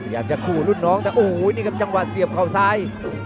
อยากจะขู่รุ่นน้องแต่โอ้โหนี่ครับจังหวะเสียบเขาซ้าย